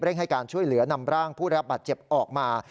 ให้การช่วยเหลือนำร่างผู้รับบาดเจ็บออกมา